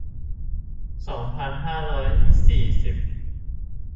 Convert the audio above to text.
สองพันห้าร้อยสี่สิบ